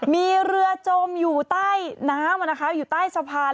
มีเรือจมอยู่ใต้น้ำอยู่ใต้สะพาน